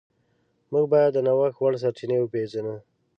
موږ باید د نوښت وړ سرچینې وپیژنو.